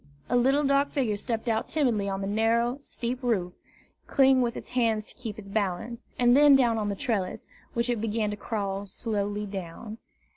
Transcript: A little dark figure stepped out timidly on the narrow, steep roof, clinging with its hands to keep its balance, and then down upon the trellis, which it began to crawl slowly down.